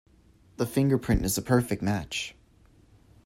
The fingerprint is a perfect match.